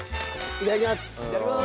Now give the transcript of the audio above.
いただきます！